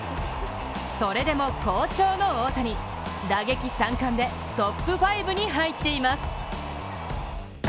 それでも好調の大谷、打撃三冠でトップ５に入っています。